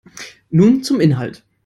Nun zum Inhalt.